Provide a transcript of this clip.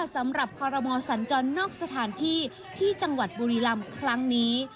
สำหรับคอรมอสัญจรนอกสถานที่ที่จังหวัดบุรีรำครั้งนี้